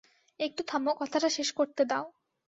একটু থামো, কথাটা শেষ করতে দাও।